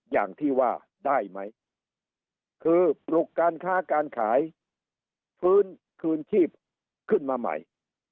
อย่างที่ว่าได้ไหมคือปลุกการค้าการขายฟื้นคืนชีพขึ้นมาใหม่